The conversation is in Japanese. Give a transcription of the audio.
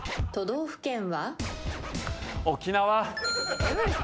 都道府県は？